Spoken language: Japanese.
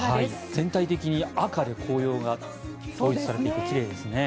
全体的に赤で紅葉が統一されていて奇麗ですね。